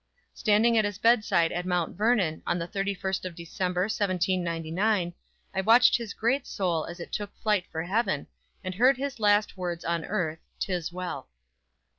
Standing by his bedside at Mount Vernon, on the 31st of December, 1799, I watched his great soul as it took flight for heaven, and heard his last words on earth, "'Tis well!"